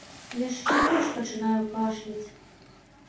Яшчэ больш пачынаю кашляць.